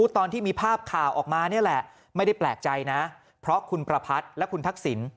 แต่ไม่ได้แปลกใจนะเพราะคุณประพัทธ์และคุณทักศิลป์